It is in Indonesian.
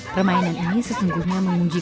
permainan ini sesungguhnya mengunjikan